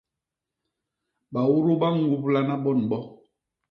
Baudu ba ñublana bo ni bo.